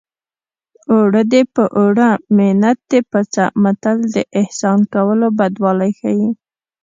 اوړه دې په اوړه منت دې په څه متل د احسان کولو بدوالی ښيي